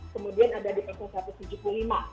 kemudian ada di pasal satu ratus tujuh puluh lima